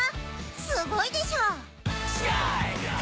すごいでしょ！